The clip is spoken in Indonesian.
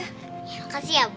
ya makasih ya bu